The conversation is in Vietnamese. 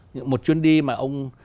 nhưng một chuyến đi mà ông được